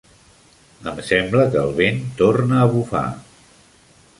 Em sembla que el vent torna a bufar.